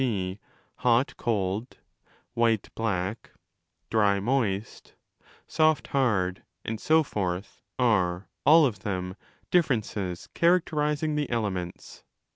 g., hot cold, white black, dry moist, soft hard, and so forth) are, all of them, differences characterizing the 'elements'.